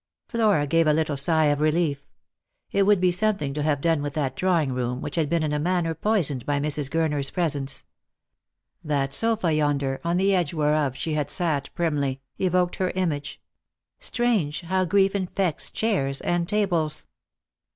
Flora gave a little sigh of relief. It would be something to have done with that drawing room, which had been in a manner poisoned by Mrs. Gurner's presence. That sofa yonder, on the edge whereof she had sat primly, evoked her image. Strange how grief infects chairs and tables